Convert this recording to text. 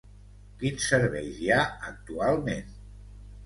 Quins serveis hi ha actualment?